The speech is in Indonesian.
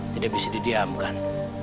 tidak bisa didiamkan